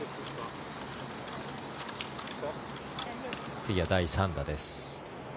次は第３打です。